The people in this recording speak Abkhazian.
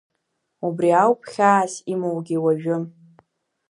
Убри ауп хьаас имоугьы уажәы…